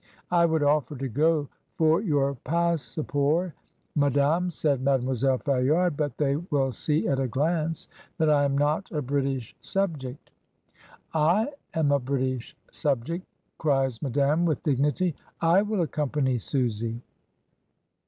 "I would offer to go for your passepori^ ma dame," said Mademoiselle Fayard, "but they will see at a glance that I am not a British subject." "I am a British subject," cries Madame with dignity, "I will accompany Susy."